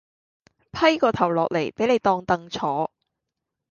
批個頭落嚟畀你當凳坐